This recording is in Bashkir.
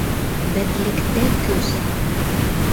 Берлектә көс.